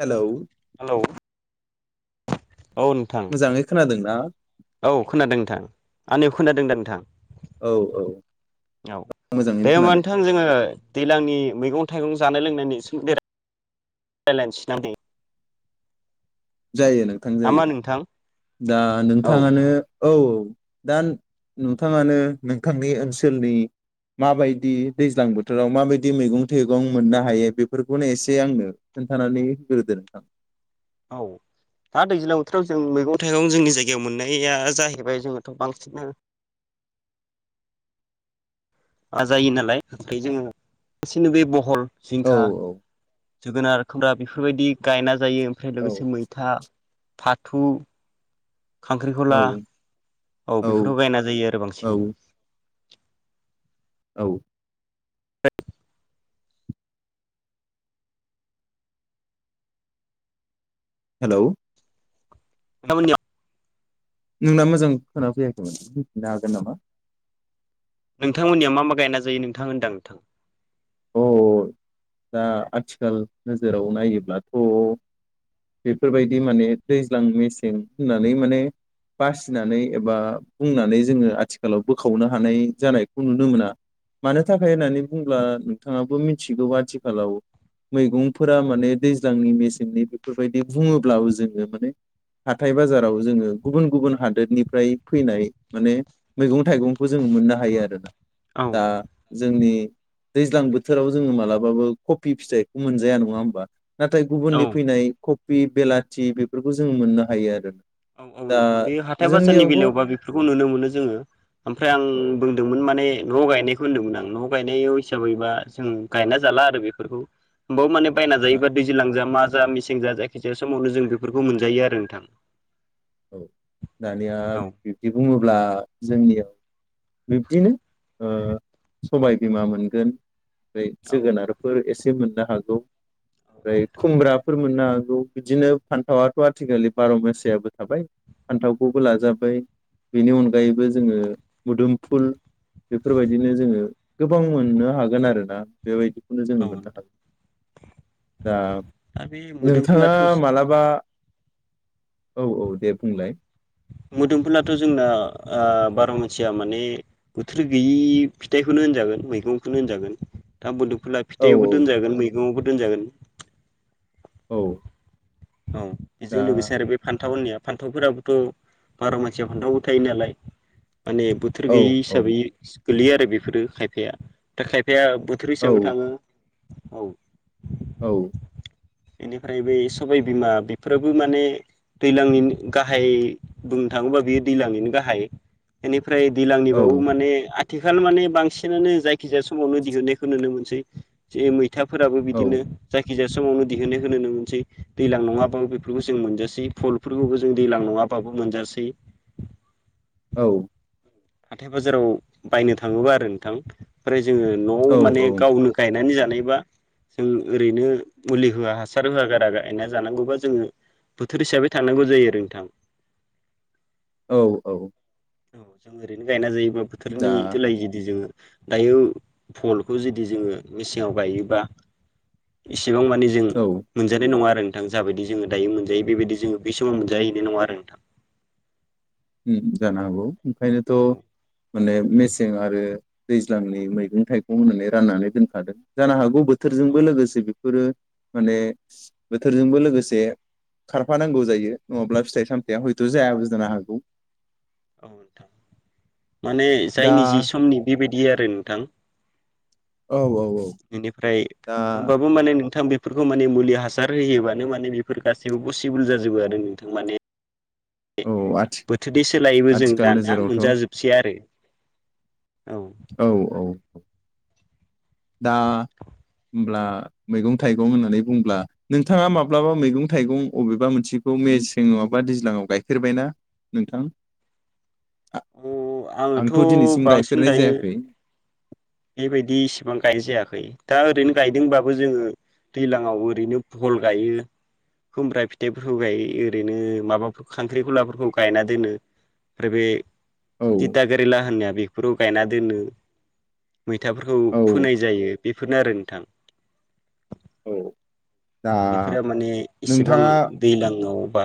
Hello hello औ नोंथां मोजाङै खोनादों ना औ खोनादों नोंथां आंनियाव खोनादोंदा नोंथां औ औ औ मोजाङैनो दे होमबा खोनादों नोंथां जोङो दैलांनि मैगं थाइगं जानाय लोंनायनि [unintelligible] रायलायनोसै ना नै जायो नोंथां नामा जायो नोंथां दा औ नोंथाङानो औ औ दा नोंथाङानो नोंथांनि ओनसोलनि माबायदि दैज्लां बोथोराव माबायदि मैगं थाइगं मोननो हायो बेफोरखौनो एसे आंनो खोन्थानानै होग्रोदो नोंथां औ दा दैज्लां बोथोराव जों मैगं थाइगं जोंनि जायगायाव मोननाया जाहैबाय जोङोथ' बांसिनो जायो नालाय ओमफ्राय जोङो गासिनो बे बहल औ जिंखा औ जोगोनार खोम्रा बेफोरबायदि गायनानै जायो ओमफ्राय औ लोगोसे मैथा फाथु खांख्रिखला औ औ बेफोराव गायना जायो आरो बांसिन औ औ । हेलौ [unintelligible] नोंथां मोननिया नोंना मोजां खोना फैयाखैमोन बुंफिननो हागोन नामा नोंथांमोननिया मा - मा गायना जायो नोंथां होनदां नोंथां? अ दा आथिखाल नोजोराव नायोब्लाथ' बेफोरबायदि माने दैज्लां मेसें होननानै माने बासिनानै एबा बुंनानै जोङो आथिखालाव बोखावनो हानाय जानायखौ नुनो मोना, मानो थाखाय होननानै बुङोब्ला नोंथाङाबो मिथिगौ आथिखालाव मैगंफोरा माने दैज्लांनि मेसेंनि बेफोरबायदि बुङोब्लाबो जोङो माने हाथाय बाजाराव जोङो गुबुन गुबुन हादोरनिफ्राय फैनाय माने मैगं थाइगंखौ जोङो मोननो हायो आरोना औ दा जोंनि दैज दैज्लां बोथोराव जोङो मालाबाबो कफि फिथाइखौ मोनजाया नङा होमबा नाथाय औ गुबुननि फैनाय कफि बेलाथि बेफोरखौ जोङो मोननो हायो आरो । औ औ नोंथां बे हाथाय बाजारनि बेलायावबा बेफोरखौ नुनो मोनो जोङो ओमफ्राय आं औ बुंदोंमोन माने न' गायनायखौ होनदोंमोन आं न' गायनायाव हिसाबैबा जों गायना जाला आरो बेफोरखौ हबाव माने बायना जायोबा दैज्लां जा मार जा मेसें जा जायखिजाया समावनो जों बेफोरखौ मोनजायो आरो नोंथां । औ दानिया बिब्दि बुङोब्ला जोंनियाव बिब्दिनो ओ सबायबिमा मोनगोन ओ औ जोगोनारफोर एसे मोन- दा हागौ औ ए नोंथां खुमब्राफोर मोन ना बिदिनो फान्थावाथ आथिखालि बार मासि आबो थाबाय फान्थावखौबो लाजाबाय बेनि अनगायैबो जोङो मुदोमफुल बेफोरबायदिनो जोङो गोबां मोननो हागोन आरोना बेबायदि नो जोङो औ मोननो नोंथां हागोन दा दा बे नोंथाङा मोदोमफुलाथ' मालाबा? औ औ दे बुंलाय मोदोमफुलाथ जोंना ओ बार मानसिया माने बोथोर गैयि फिथाइखौनो होनजागोन मैगंखौनो होनजागोन दा मोदुम- फुला औ फिथाइयावबो दोनजागोन मैगंआवबो । फोरोनजागोन । औ औ दा बेजों लोगोसे आरो बे फान्थाव ओननाया फान्थावफोराबोथ बार मानसिया फान्थावबो थायो नालाय माने बोथोर औ गैयै औ हिसाबै गोलैयो आरो बेफोरो खायफाया दा खायफा फाया बोथोर औ हिसाबै थाङो औ औ बेनिफ्राय बे सबाय बिमा बेफोराबो माने दैलांनिनो गाहाय बुंनो थाङोबा बेयो दैलांनिनो गाहाय माने ओमफ्राय औ दैज्लांनिबाबो माने आथिखाल माने बांसिनानो जायखिजाया समावनो दिहुननायखौ नुनो मोनसै जे मै खोथाफोराबो बिदिनो जाय गेजेर समावनो दिहुननायखौ नुनो मोनसै दैलां नङाबाबो बेफोरखौ जों मोनजासै फलफोरखौबो जों दैलां नङाबाबो मोनजासै औ हाथाय बाजाराव बायनो थाङोबा आरो नोंथां ओमफ्राय जोङो न'आव माने औ गावनो गायनानै जा होयोबा जों ओरैनो मुलि होआ हासार होआ गारा गायना जानांगौबा जोङो बोथोर हिसाबै थानांगौ जायो आरो नोंथां औ औ औ जों ओरैनो गायना जायो बा दा बोथोरनि सोलाय जुदि जोङो दायो भलखौ जुदि जोङो मेसेङाव गायोबा इसे एसेबां माने जों औ मोनजानाय नङा आरो थां जाबायदि जोङो दायो मोनजायो बेबायदि जोङो बे समाव मोनजायो बिदि नङा आरो नोंथां जानो हागौ औ ओंखायनोथ' माने मेसें आरो दैज्लांनि मैगं थाइगं होननानै राननानै दोनखादों जानो हागौ बोथ औ बोथोरजोंबो नोंथां लोगोसे बेफोरो माने बोथोरजोंबो लोगोसे खारफानांगौ जायो नङाब्ला फिथाइ सामथाया हयथ जायाबो जानो हागौ औ नोंथां माने दा जायनि जि समनि बेबायदि बिदि आरो नोंथां औ औ औ बेनिफ्राय दा होमबाबो माने नोंथां बे बेफोरखौ माने मुलि हासार होयोबानो माने बेफोर गासैबो पसिबोल जाजोबो आरो नोंथां माने औ आथि बोथोरनि सोलायैबो जों आथिखाल दानिया नोजोरावथ' मोनजाजोबसै आरो औ औ औ दा होमब्ला मैगं थाइगं होननानै बुंब्ला नोंथाङा माब्लाबा मैगं थाइगं अबेबा मोनसेखौ मेसें नङाबा दैज्लाङाव गायफेरबायना नोंथां औ आंथ' आङोथ' दिनैसिम बांसिन गायफेरनाय दायो जायाखै [inaudible] बेबायदि इसेबां गायनाय जायाखै दा ओरैनो गायदोंबाबो जोङो दैलाङाव ओरैनो फल गाइयो खुमब्रा फिथाइफोरखौ गायो ओरैनो माबाफोर खांख्रिखलाफोरखौ गायना दोनो ओमफ्राय बे औ तिता केरेला होननाय बेफोराव गायना दोनो। मैथाफोरखौ औ फोनाय जायो। बेफोरनो आरो नोंथां। औ दा बेफोरो माने इसेबां नोंथाङा दैलाङाव बा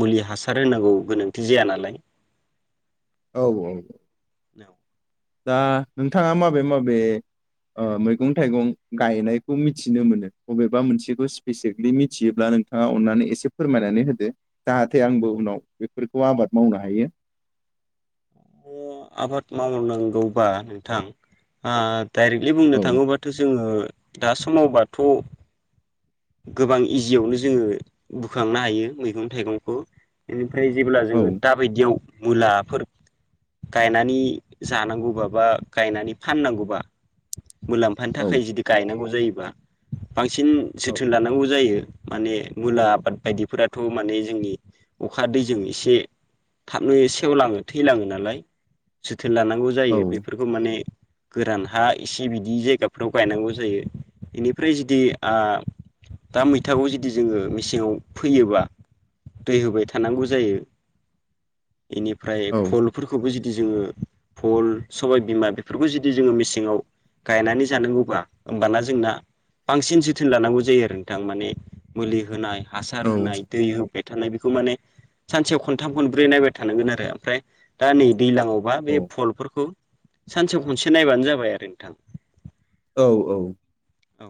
मुलि हासार होनांगौ गोनांथि जाया नालाय। औ औ [inaudible] दा नोंथाङा माबे माबे ओ मैगं थाइगं गायनायखौ मिथिनो मोनो अबेबा मोनसेखौ स्पेसिकेलि मिथियोब्ला नोंथाङा अननानै एसे फोरमायनानै होदो जाहाथे आंबो उनाव बेफोरखौ आबाद मावनो हायो। म आबाद मावनांगौबा नोंथां आ डाइरेक्टलि बुंनो औ थाङोबाथ' जोङो दा समावबाथ' गोबां इजियावनो जोङो बोखांनो हायो मैगं थाइगंखौ ओमफ्राय जेब्ला औ जोङो दा बायदियाव मुलाफोर गायनानै जानांगौबा बा गायनानै फाननांगौबा मुलाम्फानि औ थाखाय जुदि गायनांगौ जायो बांसिन औ जोथोन लानांगौ जायो माने मुला आबाद बायदिफोराथ' माने जोंनि अखा दैजों एसे थाबनो सेवलाङो थैलाङो नालाय जोथोन लानांगौ जायो औ बेफोरखौ माने गोरान हा इसे बिदि जायगाफ्राव गायनांगौ जायो इनिफ्राय जुदि आ दा मैथाखौ जुदि जोङो मेसेङाव फोयोबा दै होबाय थानांगौ जायो। इनिफ्राय औ फुलफोरखौ बो जि जोङो फल सबाय बिमा बेफोरखौ जुदि जो मेसेङाव गायनानै जानांगौबा होमबाना जोंना बांसिन जोथोन लानांगौ जायो आरो नोंथां माने मुलि होनाय हासार होनाय दै होब बाय थानाय बेखौ माने सानसेयाव खनथाम खनब्रै नायबाय थानांगोन आरो ओमफ्राय दा नै दैलाङावबा बे औ फलफोरखौ सानसेआव खनसे नायबानो जाबाय आरो नोंथां। औ औ। औ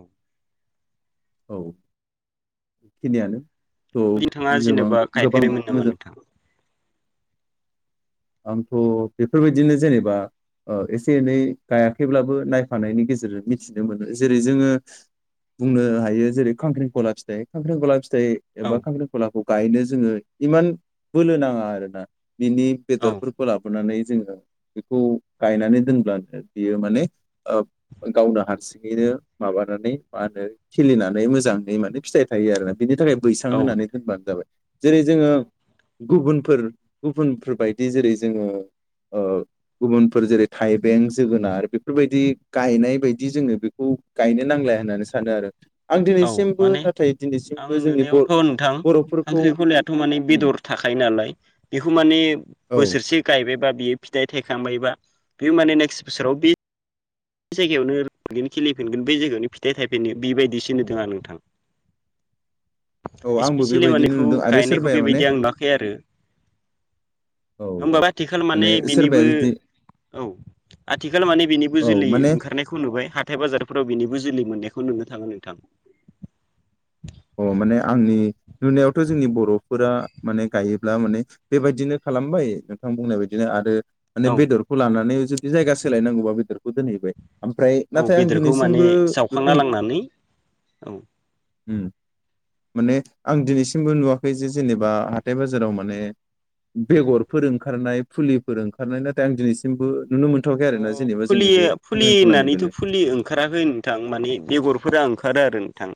औ बेखिनियानो। अ नोंथाङा जेनेबा [unintelligible] गोबां गायफेरबायमोन नामा मोजां नोंथां आंथ' बेफोरबायदिनो जेनेबा ओ एसे एनै गायाखैब्लाबो नायफानायनि गेजेरजों मिथिनो मोनो जेरै जोङो बुंनो हायो जेरै खांख्रिखला फिथाइ। खांख्रिखला फिथ फिथाइ औ एबा खांख्रिखलाखौ गायनो जोङो इमान बोलो नाङा आरो ना बिनि औ बेदरफोरखौ लाबोनानै । जोङो बेखौ गायनानै दोनब्लानो बियो माने गावनो हारसिङैनो माबानानै मा होनो खिलिनानै मोजाङै माने फिथाइ थायो आरो। बिनि थाखाय बैसां औ होनानै दोनबानो जाबाय जेरै जोङो गुबुन। फोर गुबुनफोर बाय । बिजेरै जोङो गुबुनफोर जेरै थाइबें जोगोनार बेफोरबायदि गायनाय बायदि जोङो बेखौ गायनो नांलाया होननानै सानो आरो। आं औ दिनैसिमबो माने नाथाय आं दिनैसिमबो जोंनि बर' नुनायावथ नोंथां बर'फोरखौ खांख्रिखलायाथ माने उम बेदर थाखायायो नालाय बेखौ माने। औ बोसोरसे गायबाय। बा बियो फिथाइ थाइखांबायबा बे माने नेक्स्ट बोसोराव बि । बे जायगायावनो बिनो- खिलिफिनगोन बे जायगायावनो फिथाइ थाइफिनगोन बिबायायदिसि नुदों आं नोंथां। औ आंबो इपेसियेलि बेबायदिनो मानेखौ नुदों आरो गायनायखौ सोरबाया माने बेबायदि आं नुवाखै आरो औ औ होमबाब आथिखाल माने सोरबाया बेनिबो जुदि औ आथिखाल माने बेनिबो औ । ए माने ओंखारनायखौ नुबाय हाथाय बाजार । फ्राव बिनिबो जोलै मोननायखौ नुनो थाङो नोंथां । अ माने आंनि नुनायावथ जोंनि बरफोरा माने गायोब्ला माने बेबायदिनो खालामबाय नोंथां बुंनाय बदिनो आरो । माने औ बेदरखौ लानानै। जुदि जायगा सोलायनांगौबा बेदरखौ दोनहैबाय। ओमफ्राय औ नाथाय आं बेदरखौ माने दिनैसिमबो बेखौ जावखांना लांनानै औ । ओम माने आं दिनैसिमबो नुवाखै जे जेनेबा हाथाय बाजाराव माने बेगरफोर ओंखारनाय फुलिफोर ओंखारनाय नाथाय आं दिनैसिमबो। नुनो मोनथ'वाखै अ आरोना जेनेबा जोंनि फुलियो बे फुलि खांख्रेंखलानि होननानैथ बेलायाव फुलि ओंखाराखै नोंथां माने बेगर। फोरा ओंखारो आरो नोंथां।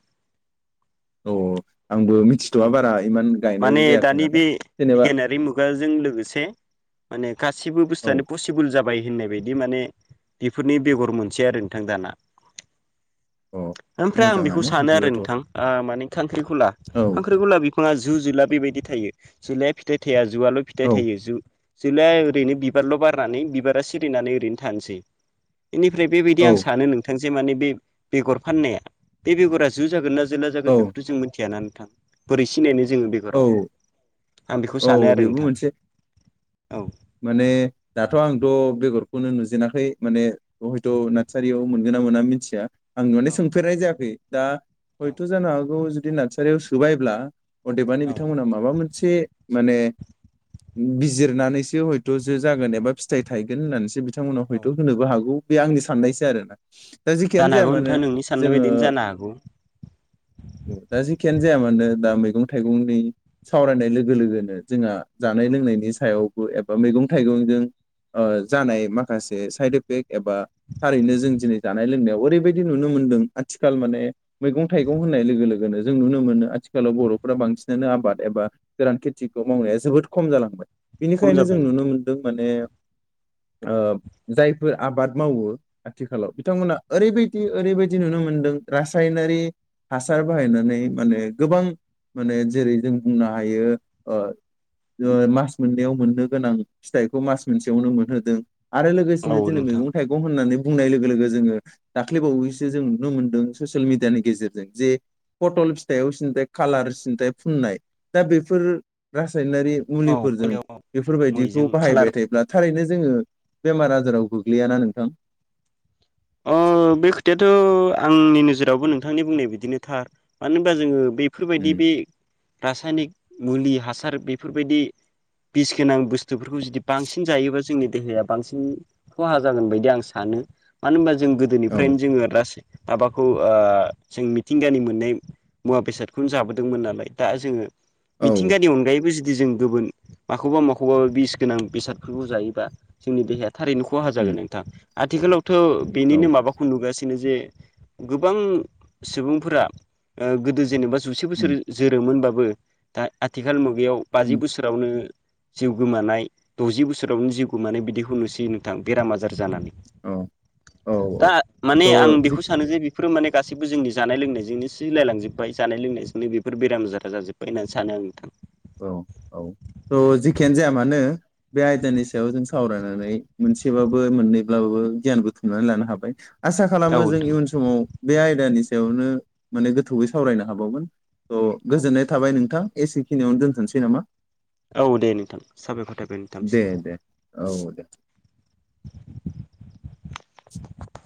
औ। आंबो औ मिथिथ'वा बारा इमान गायनायबो माने जायाखै दानि बे नालाय जेनेबा बिगियानारि मुगाजों लोगोसे माने गासिबो औ बुस्थुआनो पसिबोल जाबाय होननाय बाय । बिदि माने बेफोरनि बेगर मोनसेै आरो नोंथां दाना। औ ओमफ्राय आं बेखौ मोजाङानो सानो आरो बिदिबाथ' नोंथां आ माने खांख्रिंखला । औ हांख्रिंखला बि। फाङा जो जोला बेबायदि थायो जोलाया फिथाइ थाया । जुवल औ फिथाइ थायो जु। जोलाया ओरैनो बिबारल बारनानै बिबारा सिरिनानै ओरैनो थानसै । इनिफ्राय बेबायदि आं औ सानो नोंथां। जे माने बे बेगर फाननाय बे सेंग्रा जो जागोना जो। जोला जगोन औ बेखौथ जों मिथियाना। बोरै सिनायनो‌। जोङो बेगोराव औ आं बेखौ औ सानो आरो बेबो नोंथां । मोनसे औ। माने दाथ आंथ बेगरखौनो नुजेनाखै माने हयथ नार्सारियाव मोनगोन ना मोना मिथिया। आं माने सोंफेरनाय जायाखै दा हयथ' जानो हागौ जुदि नारसारियाव सोबायब्ला अदेबानि औ बिथांमोना माबा मोनसे माने बिजिरनानैस बे हयथ जो जागोन एबा फिथाइ थायगोन होननानैसो बि बिथांमोनाव औ हैथु होनोबो हागौ बे आंनि साननायसो आरोना दा जेखियानो जानो जाया हागौ मानो नोंथां नोंनि साननाय जोङो बायदिनो जानो हागौ दा जेखियानो जाया मानो दा मै मैगं थाइगंनि सावरायनाय लोगो लोगोनो जोंहा जानाय औ लोंनायनि सायाव एबा मैगं थाइगंजों ओ जानाय माखासे साइद एफेक्ट एबा थारैनो जों दिनै जानाय लोंनायाव ओरैबायदि नुनो मोनदों । आथिखाल माने मैगं थाइगं होननाय लोगो लोगोनो जों नुनो मोनो आथिखालाव बर'फोरा बांसिनानो आबाद एबा गोरान खेथिखौ मावनाया जोबोद खम जालांबाय । खम बिनिखायनो जों जाबाय नुनो नोंथां मोन्दों माने ओ जायफोर आबाद मावो आथिखालाव बिथांमोना ओरैबायदि ओरैबायदि नुनो मोनदों रासायनारि हासार बाहायनानै माने गोबां माने जेरै जों बुंनो हायो ओ मास मोननायाव मोननो गोनां फिथाइखौ मास मोनसेयावनो मोनहोदों। आरो औ लोगोसेनो दिनै नोंथां मैगं थाइगं होननानै बुंनाय लोगो लोगो जोङो दाख्लै बावैसो जों नुनो मोनदों ससियेल मिडियानि गेजेरजों जे फटल फिथाइयाव सिन्थाय कालार सिन्थाय फुननाय दा बेफोर ब्रास फायनारि औ मुलि जों गलायाव बेफोरबायदिखौ मोरैजों खालार बाहायबाय थायोब्ला थारैनो जोङो बेमार आजाराव गोग्लैयाना नोंथां अ बेखोथाया थ' आंनि नोजोरावबो नोंथांनि बुंनाय बिदिनो था मानो होनबा जोङो । बेफोरबायदि उम बे रासायनिक मुलि हासार बेफोरबायदि बिस गोनां बुस थोबफोरखौ जुदि बांसिन जायोबा जो जोंनि देहाया बांसिन खहा जागोन बायदि आं सानो मानो होबा जों औ गोदोनिफ्रायनो जोङो रासि दाबाखौ ओ जिं मिथिंगानि मोननाय मुवा बेसादखौनो जाबोदोंमोन नालाय दा जोङो औ मिथिंगानि अनगायैबो जिद दि जों गोबोन माखौबा माखौबा बिस गोनां बेसादफोरखौ जायोबा जोंनि देहा थारैनो खहा जागोन उम नोंथां । आथिखालाव थ' औ बेनिनो माबाखौ नुगासिन गिनो जे गोबां सुबुंफोरा गोदो जेनेबा जुसे बोसोर जोरोमोन बाब बो दा आथिखाल मु बेयाव बाजि उम बोसोरावनो। जिउ गोमानाय द'जि बोसोरावनो जिउ गोमानाय बिदिखौ नुसै नोंथां बेराम आजार जानानै। औ। औ दा माने आं औ थ' बेखौ सानो जे फोर माने गासैबो जोंनि जानाय लोंनायजोंनो सिलायलांजोब्बाय जानाय लोंनायजोंनो बेफोर बेराम आजारा जाजोब्बाय होननानै सानो आं नोंथां। औ औ थ' जेखियानो जाया मानो बे आयदानि सायाव जों सावरायनानै मोनसेबाबो मोननैब्लाबो गियान बुथुमनानै लानो हाबाय। आसा औ खालामो जों नोंथां इयुन समाव बेइ दानि सायावनो माने गोथौवै सावरायनो हाबावगोन। औ गोजोननाय थाबाय नोंथां एसे खिनियावनो दोनथनसै नामा? औ दे नोंथां साबायखर थाबाय दे नोंथांसिम। दे औ दे। [inaudible]